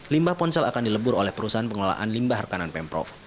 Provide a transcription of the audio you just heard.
limbah ponsel akan dilebur oleh perusahaan pengelolaan limbah harkanan pemprov